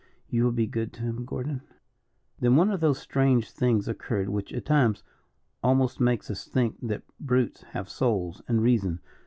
You will be good to him, Gordon?" Then one of those strange things occurred which at times almost make us think that brutes have souls and reason.